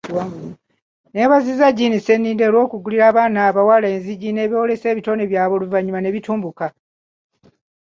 Yeebazizza Jean Sseninde olw'okuggulira abaana abawala enzigi ne boolesa ebitone byabwe oluvannyuma ne bitumbuka.